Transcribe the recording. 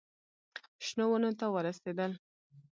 شنو ونو ته ورسېدل.